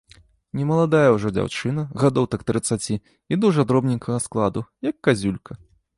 Немаладая ўжо дзяўчына, гадоў так трыццаці, і дужа дробненькага складу, як казюлька.